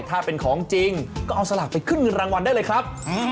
ถ้าเป็นของจริงก็เอาสลากไปขึ้นเงินรางวัลได้เลยครับ